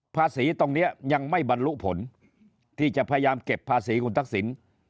ภาษีตรงนี้ยังไม่บรรลุผลที่จะพยายามเก็บภาษีคุณทักษิณ